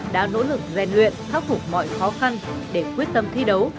đã nỗ lực rèn luyện thác phục mọi khó khăn để quyết tâm thi đấu